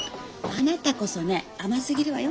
あなたこそね甘すぎるわよ